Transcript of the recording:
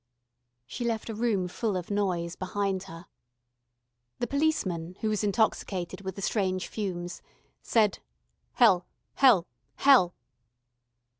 She left a room full of noise behind her. The policeman, who was intoxicated with the strange fumes, said: "Hell. Hell. Hell."